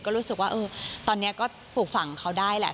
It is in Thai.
ก็รู้สึกว่าตอนนี้ก็ปลูกฝั่งเขาได้แหละ